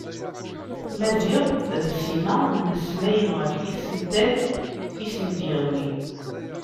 Maziɣ d Sima mmeslayen ɣef yisental i asen-d-yeɣlin.